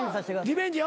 リベンジ。